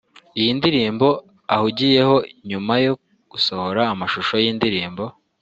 Iyi ndirimbo ahugiyeho nyuma yo gusohora amashusho y’indirimbo